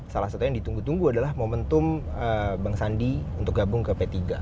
salah satu yang ditunggu tunggu adalah momentum bang sandi untuk gabung ke p tiga